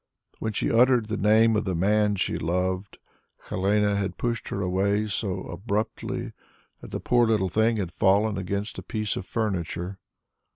When she uttered the name of the man she loved Helene had pushed her away so abruptly that the poor little thing had fallen against a piece of furniture.